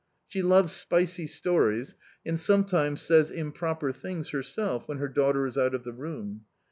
She loves spicy stories, and sometimes says improper things herself when her daughter is out of the room.